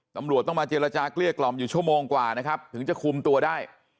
ตำรวจต้องมาเจรจาเกลี้ยกล่อมอยู่ชั่วโมงกว่านะครับถึงจะคุมตัวได้